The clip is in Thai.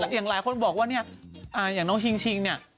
อย่างหลายคนบอกว่าอย่างน้องชิงเนี่ย